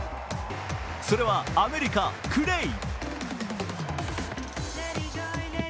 それは、アメリカ、クレイ。